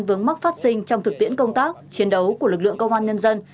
vướng mắc phát sinh trong thực tiễn công tác chiến đấu của lực lượng công an nhân dân